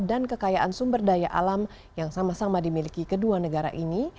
dan kekayaan sumber daya alam yang sama sama dimiliki kedua negara ini